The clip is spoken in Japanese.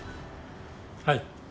はい。